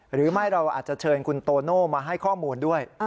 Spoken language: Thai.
หรือไม่เราอาจจะเชิญคุณโตโน่มาให้ข้อมูลด้วย